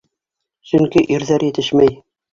Сөнки ирҙәр етешмәй.